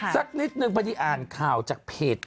สักนิดหนึ่งไปที่อ่านค่าวจากเพจ